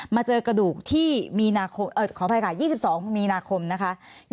เจอกระดูกที่ขออภัยค่ะ๒๒มีนาคมนะคะ